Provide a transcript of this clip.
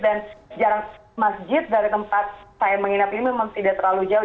dan jarang masjid dari tempat saya menginap ini memang tidak terlalu jauh